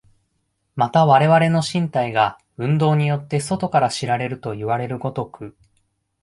また我々の身体が運動によって外から知られるといわれる如く、